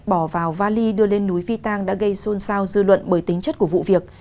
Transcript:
bỏ vào vali đưa lên núi phi tang đã gây xôn xao dư luận bởi tính chất của vụ việc